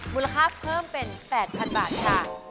มูลค่าเพิ่มเป็น๘๐๐๐บาทค่ะ